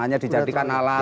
hanya dijadikan alat apa